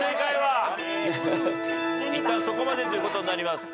いったんそこまでということになります。